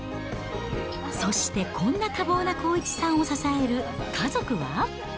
そしてこんな多忙な康一さんを支える家族は。